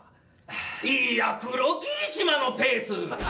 「いや黒霧島のペース！」